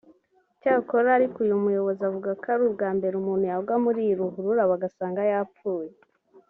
Icyakora ariko uyu muyobozi avuga ko ari ubwa mbere umuntu yagwa muri iyi ruhurura bagasanga yapfuye